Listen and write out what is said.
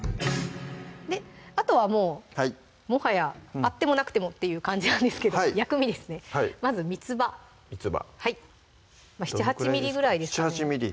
あとはもうもはやあってもなくてもって感じなんですけど薬味ですねまずみつばまぁ７８ｍｍぐらいですね７８ｍｍ